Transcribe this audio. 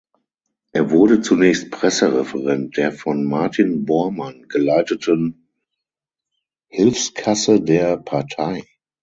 Er wurde zunächst Pressereferent der von Martin Bormann geleiteten Hilfskasse der Partei.